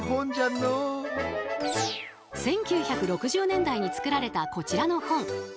１９６０年代に作られたこちらの本。